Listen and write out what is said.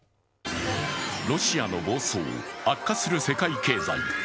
ロシアの暴走、悪化する世界経済。